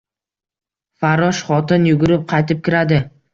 Farrosh x o t i n yugurib qaytib kiradi